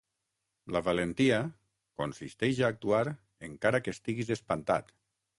La valentia consisteix a actuar encara que estiguis espantat.